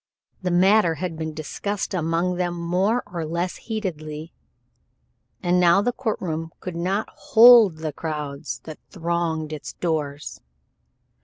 The matter had been discussed among them more or less heatedly and now the court room could not hold the crowds that thronged its doors.